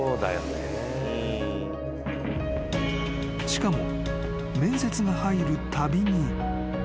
［しかも面接が入るたびに］